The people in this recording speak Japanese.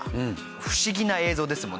不思議な映像ですもんね。